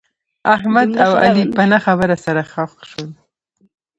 احمد او علي په نه خبره سره خښ شول.